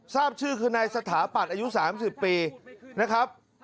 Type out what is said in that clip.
ทราบชื่อคือนายสถาปัตย์อายุ๓๐ปีนะครับ